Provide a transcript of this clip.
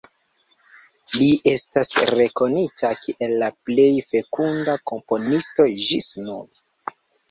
Li estas rekonita kiel la plej fekunda komponisto ĝis nun.